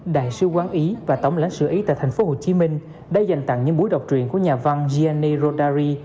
đại sư quán ý và tổng lãnh sử ý tại tp hcm đã dành tặng những buổi đọc truyện của nhà văn gianni rodari